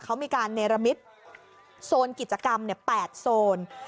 เขามีการเนรมิตโซนกิจกรรม๘โซน